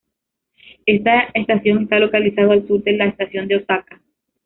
Este estación está localizado al sur de la estación de Osaka.